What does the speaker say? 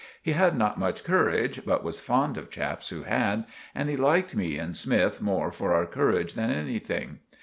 He had not much courage but was fond of chaps who had, and he liked me and Smythe more for our courage than anything.